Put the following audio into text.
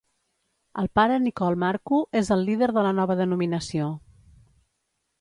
El pare Nikolle Marku és el líder de la nova denominació.